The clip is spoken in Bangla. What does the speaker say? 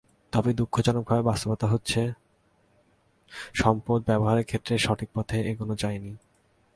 তবে দুঃখজনক বাস্তবতা হচ্ছে, সম্পদ ব্যবহারের ক্ষেত্রে সঠিক পথে এগোনো যায়নি।